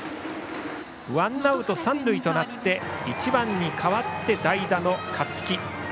ワンアウト三塁となって１番に代わって代打の勝木。